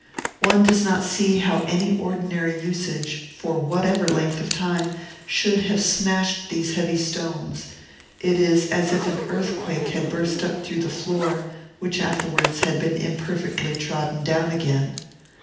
One does not see how any ordinary usage, for whatever length of time, should have so smashed these heavy stones; it is as if an earthquake had burst up through the floor, which afterwards had been imperfectly trodden down again.